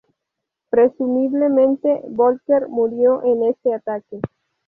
Presumiblemente Volker murió en este ataque.